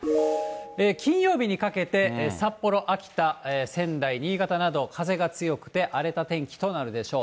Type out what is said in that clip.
金曜日にかけて、札幌、秋田、仙台、新潟など風が強くて、荒れた天気となるでしょう。